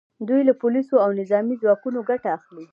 دوی له پولیسو او نظامي ځواکونو ګټه اخلي